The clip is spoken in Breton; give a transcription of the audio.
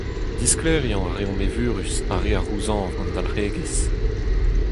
Diskleriañ a reomp evurus ar re a c’houzañv gant dalc’hegezh.